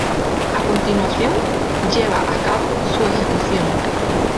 A continuación, lleva a cabo su ejecución.